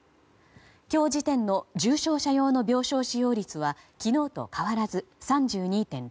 今日時点の重症者用の病床使用率は昨日と変わらず、３２．６％。